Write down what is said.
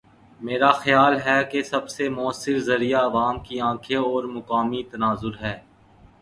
میرا خیال ہے کہ سب سے موثر ذریعہ عوام کی آنکھیں اور مقامی تناظر ہے۔